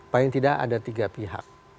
paling tidak ada tiga pihak